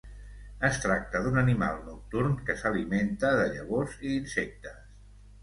Es tracta d'un animal nocturn que s'alimenta de llavors i insectes.